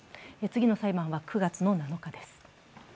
次の裁判は９月７日です。